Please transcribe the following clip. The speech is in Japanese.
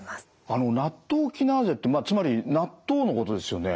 あのナットウキナーゼってまあつまり納豆のことですよね？